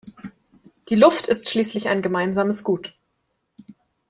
Die Luft ist schließlich ein gemeinsames Gut.